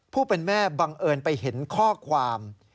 ผู้เป็นแม่บังเอิญไปเห็นข้อความ